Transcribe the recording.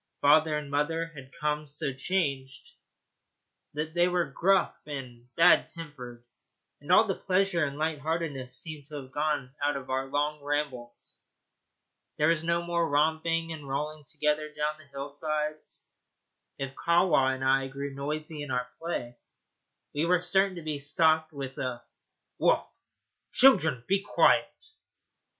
Father and mother had become so changed that they were gruff and bad tempered; and all the pleasure and light heartedness seemed to have gone out of our long rambles. There was no more romping and rolling together down the hillsides. If Kahwa and I grew noisy in our play, we were certain to be stopped with a 'Woof, children! be quiet.'